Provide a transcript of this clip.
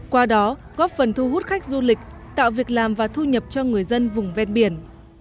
qua đó góp phần thu hút khách du lịch tạo việc làm và thu nhập cho người dân vùng ven biển